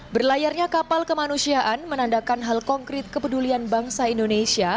berlayarnya kapal kemanusiaan menandakan hal konkret kepedulian bangsa indonesia